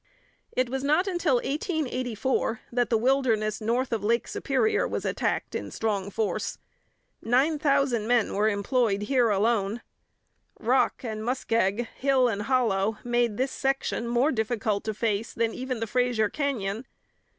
It was not until 1884 that the wilderness north of Lake Superior was attacked in strong force. Nine thousand men were employed here alone. Rock and muskeg, hill and hollow, made this section more difficult to face than even the Fraser Canyon.